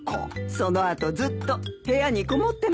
その後ずっと部屋にこもってますよ。